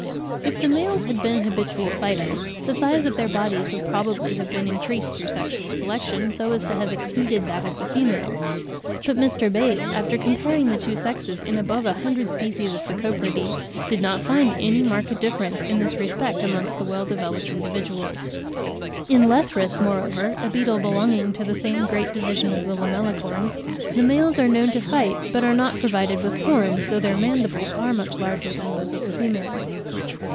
If the males had been habitual fighters, the size of their bodies would probably have been increased through sexual selection, so as to have exceeded that of the females; but Mr. Bates, after comparing the two sexes in above a hundred species of the Copridae, did not find any marked difference in this respect amongst well developed individuals. In Lethrus, moreover, a beetle belonging to the same great division of the Lamellicorns, the males are known to fight, but are not provided with horns, though their mandibles are much larger than those of the female.